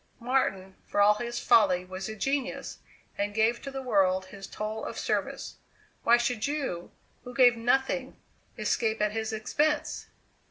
Martin, for all his folly was a genius, and gave to the world his toll of service. Why should you, who gave nothing, escape at his expense?"